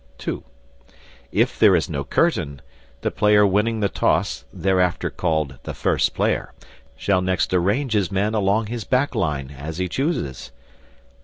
(2) If there is no curtain, the player winning the toss, hereafter called the First Player, shall next arrange his men along his back line, as he chooses.